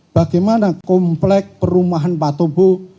bagaimana komplek perumahan patobu